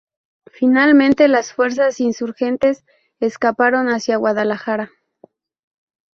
Finalmente, las fuerzas insurgentes escaparon hacia Guadalajara.